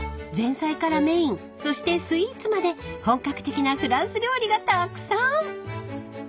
前菜からメインそしてスイーツまで本格的なフランス料理がたくさん］